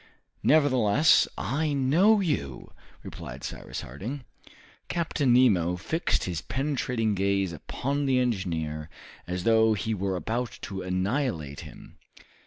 "Nevertheless, I know you!" replied Cyrus Harding. Captain Nemo fixed his penetrating gaze upon the engineer, as though he were about to annihilate him.